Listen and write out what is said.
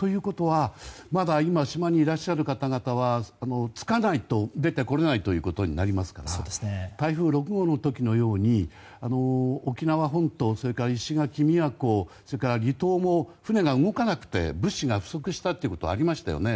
まだ島にいらっしゃる方々は着かないと、出てこれないことになりますから台風６号の時のように沖縄本島、石垣、宮古や離島も船が動かなくて物資が不足したことがありましたよね。